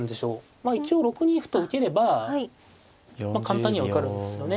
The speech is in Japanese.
まあ一応６二歩と受ければ簡単には受かるんですよね。